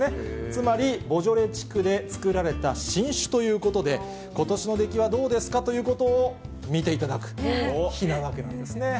つまり、ボジョレ地区で造られた新酒ということで、ことしの出来はどうですかということを見ていただく日なわけなんですね。